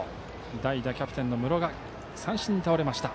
代打、キャプテンの室賀は三振に倒れました。